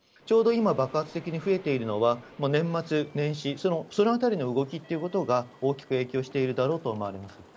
ちょうど今、爆発的に増えているのは、もう年末年始、そのあたりの動きということが、大きく影響しているだろうと思われます。